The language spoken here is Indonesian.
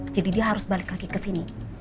jadi dia harus balik lagi kesini